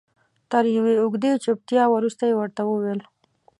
تر یوې اوږدې چوپتیا وروسته یې ورته وویل.